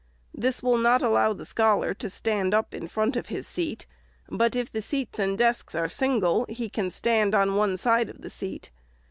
This will not allow the scholar to stand up in front of his seat ; but if the seats and desks are single, he can stand on one side of the seat.